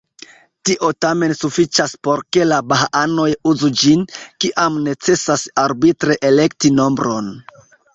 Tio tamen sufiĉas por ke la bahaanoj uzu ĝin, kiam necesas arbitre elekti nombron.